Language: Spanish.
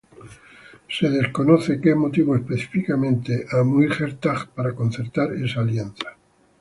Que motivó específicamente a Muirchertach para concertar esa alianza es desconocido.